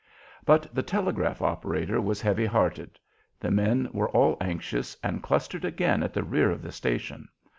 But the telegraph operator was heavy hearted. The men were all anxious, and clustered again at the rear of the station.